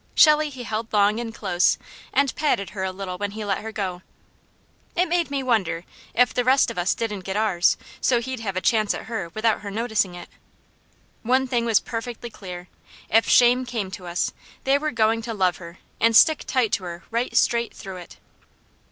Shelley he held long and close, and patted her a little when he let her go. It made me wonder if the rest of us didn't get ours, so he'd have a chance at her without her noticing it. One thing was perfectly clear. If shame came to us, they were going to love her, and stick tight to her right straight through it.